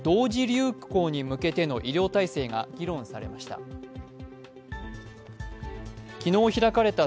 流行に向けての医療体制が議論されました。